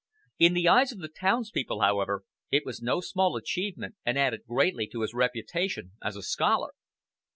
In the eyes of the townspeople, however, it was no small achievement, and added greatly to his reputation as a scholar.